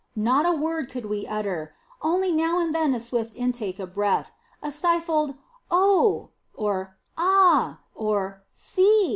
Not a word could we utter; only now and then a swift intake of breath; a stifled "O" or "Ah" or "See."